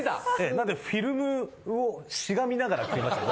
なんでフィルムをしがみながら食いましたよ。